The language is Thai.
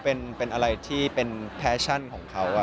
เป็นอะไรที่เป็นแฟชั่นของเขา